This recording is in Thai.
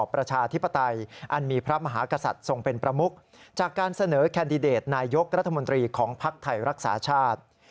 ประโยครัฐมนตรีของพักธัยรักษาชาติ